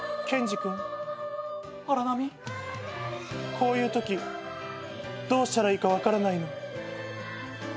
こういうときどうしたらいいか分からないの。